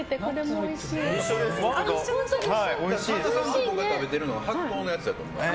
神田さんと僕が食べてるのは白桃のだと思います。